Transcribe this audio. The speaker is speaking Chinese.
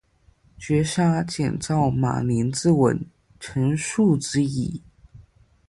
绝杀，减灶马陵自刎，成竖子矣